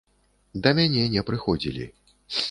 Да мяне не прыходзілі.